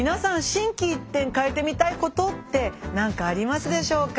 心機一転変えてみたいことって何かありますでしょうか？